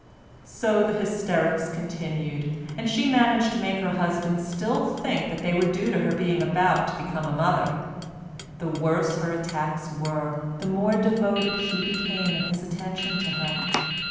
So the hysterics continued, and she managed to make her husband still think that they were due to her being about to become a mother. The worse her attacks were, the more devoted he became in his attention to her.